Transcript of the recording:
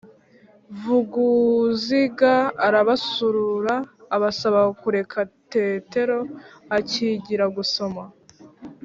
Vuguziga arabasura, abasaba kureka Tetero akigira gusoma.